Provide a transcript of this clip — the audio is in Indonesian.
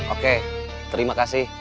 oke terima kasih